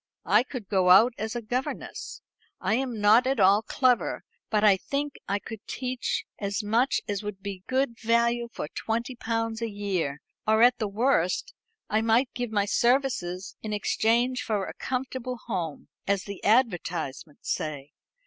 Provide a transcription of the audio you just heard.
I could go out as a governess. I am not at all clever, but I think I could teach as much as would be good value for twenty pounds a year; or at the worst I might give my services in exchange for a comfortable home, as the advertisements say.